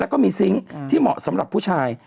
แล้วก็มีซิงค์ที่เหมาะสำหรับผู้ชาย